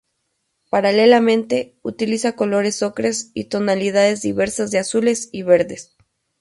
Paralelamente, utiliza colores ocres y tonalidades diversas de azules y verdes.